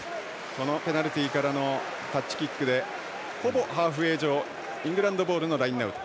このペナルティーからのタッチキックでほぼハーフウェー上イングランドボールのラインアウト。